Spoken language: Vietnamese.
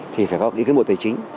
thì phải có ý kiến bộ tài chính